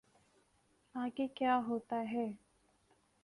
آگے کیا ہوتا ہے۔